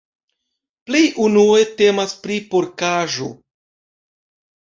Plej unue temas pri porkaĵo.